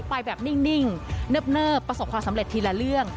ไปแบบนิ่งเนิบประสบความสำเร็จทีละเรื่อง